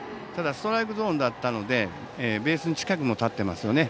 ただストライクゾーンだったのでベースの近くにも立ってますよね。